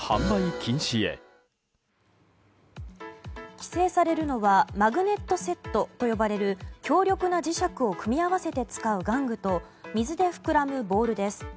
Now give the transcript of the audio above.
規制されるのはマグネットセットと呼ばれる強力な磁石を組み合わせて使う玩具と水で膨らむボールです。